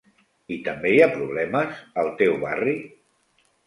I també hi ha problemes al teu barri?